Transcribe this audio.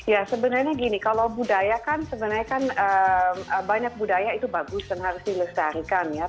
ya sebenarnya gini kalau budaya kan sebenarnya kan banyak budaya itu bagus dan harus dilestarikan ya